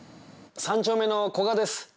３丁目のこがです。